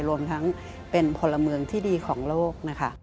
รวมทั้งเป็นพลเมืองที่ดีของโลกนะคะ